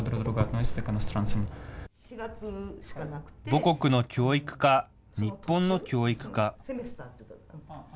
母国の教育か、日本の教育か。